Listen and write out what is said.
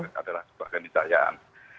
itu adalah sebuah kenicayaan